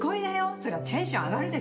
そりゃテンション上がるで